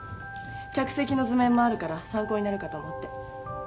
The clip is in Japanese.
客席の図面もあるから参考になるかと思って。